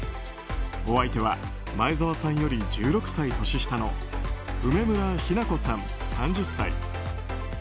お相手は前澤さんより１６歳年下の梅村妃奈子さん、３０歳。